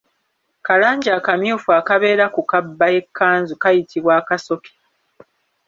Kalangi akamyufu akabeera ku kabba y’ekkanzu kayitibwa Akasoke.